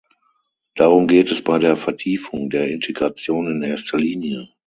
Darum geht es bei der Vertiefung der Integration in erster Linie.